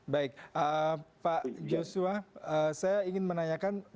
baik pak joshua saya ingin menanyakan bagaimana strategi ke depannya terkait dengan